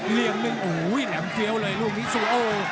เหลี่ยมหนึ่งโอ้โหแหลมเฟี้ยวเลยลูกนี้ซูโอ